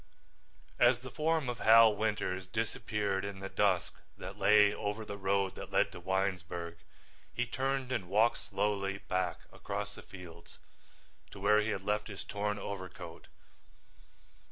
As the form of Hal Winters disappeared in the dusk that lay over the road that led to Winesburg, he turned and walked slowly back across the fields to where he had left his torn overcoat.